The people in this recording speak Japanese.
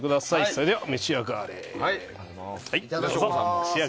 それでは、召し上がれ。